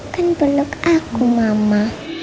kan belok aku mama